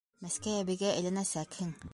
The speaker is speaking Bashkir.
Мәскәй әбейгә әйләнәсәкһең!